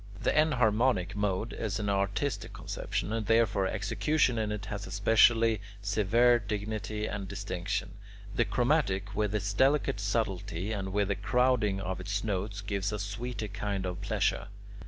The enharmonic mode is an artistic conception, and therefore execution in it has a specially severe dignity and distinction. The chromatic, with its delicate subtlety and with the "crowding" of its notes, gives a sweeter kind of pleasure.